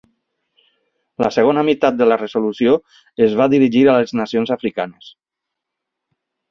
La segona meitat de la resolució es va dirigir a les nacions africanes.